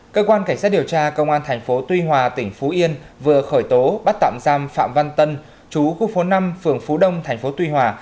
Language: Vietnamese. cơ quan cảnh sát điều tra công an thành phố tuy hòa tỉnh phú yên vừa khởi tố bắt tạm giam phạm văn tân chú khu phố năm phường phú đông tp tuy hòa